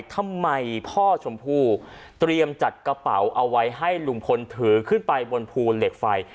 ทำไมพ่อชมพู่เตรียมจัดกระเป๋าเอาไว้ให้ลุงพลถือขึ้นไปบนภูเหล็กไฟ